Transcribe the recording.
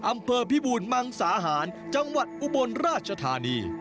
อำเภอพิบูรมังสาหารจังหวัดอุบลราชธานี